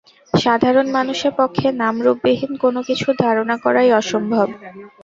সাধারণ মানুষের পক্ষে নামরূপ-বিহীন কোন কিছুর ধারণা করাই অসম্ভব।